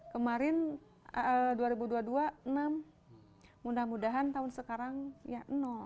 dua ribu dua puluh sembilan dua ribu dua puluh satu tujuh kemarin dua ribu dua puluh dua enam mudah mudahan tahun sekarang ya